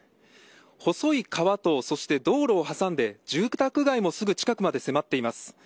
細い川と道路を挟んで住宅街もすぐ近くまで迫っています。